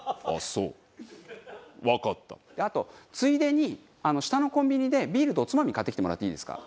あとついでに下のコンビニでビールとおつまみ買ってきてもらっていいですか？